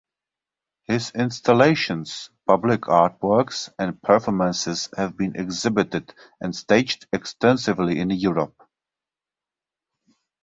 His installations, public artworks and performances have been exhibited and staged extensively in Europe.